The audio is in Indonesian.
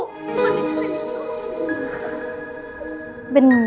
kemana itu bening